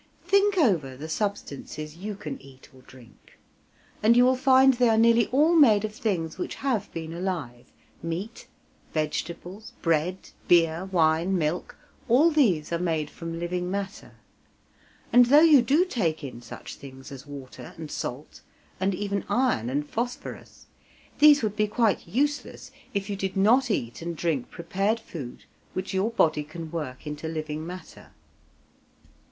Think over the substances you can eat or drink, and you will find they are nearly all made of things which have been alive: meat, vegetables, bread, beer, wine, milk; all these are made from living matter, and though you do take in such things as water and salt, and even iron and phosphorus, these would be quite useless if you did not eat and drink prepared food which your body can work into living matter.